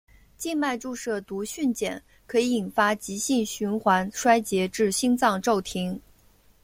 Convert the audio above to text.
静脉注射毒蕈碱可以引发急性循环衰竭至心脏骤停。